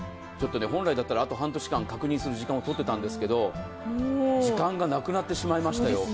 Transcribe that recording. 本来だったらあと半年間確認する時間をとっていたんですけれども、時間がなくなってしまいましたよ。